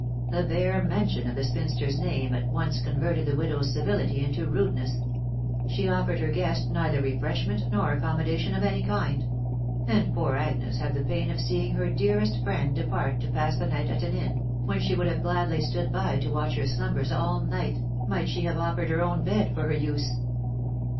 The bare mention of the spinster's name at once converted the widow's civility into rudeness; she offered her guest neither refreshment nor ac commodation of any kind ; and poor Agnes had the pain of seeing her dearest friend depart to pass the night at an inn, when she would have gladly stood by to watch her slumbers all night, might she have offered her own bed for her use.